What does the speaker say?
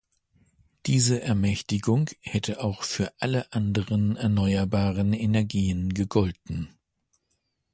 Diese Ermächtigung hätte auch für alle anderen Erneuerbaren Energien gegolten.